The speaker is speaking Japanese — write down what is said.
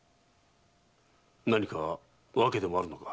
何か訳でもあるのか？